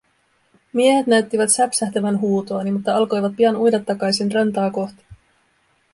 Miehet näyttivät säpsähtävän huutoani, mutta alkoivat pian uida takaisin rantaa kohti.